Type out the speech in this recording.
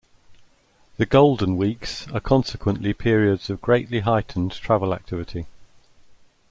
The Golden Weeks are consequently periods of greatly heightened travel activity.